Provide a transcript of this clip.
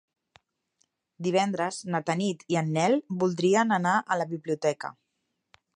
Divendres na Tanit i en Nel voldria anar a la biblioteca.